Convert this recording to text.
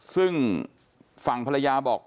ซึ่งฝั่งภรรยาบอก